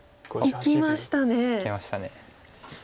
いきました。